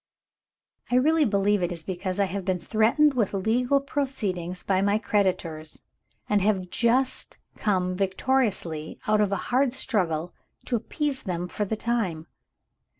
"I really believe it is because I have been threatened with legal proceedings by my creditors, and have just come victoriously out of a hard struggle to appease them for the time.